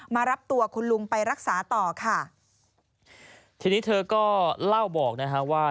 มารับตัวคุณลุงไปรักษาต่อค่ะทีนี้เธอก็เล่าบอกนะฮะว่า